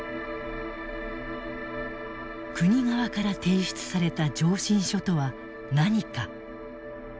国側から提出された上申書とは何か？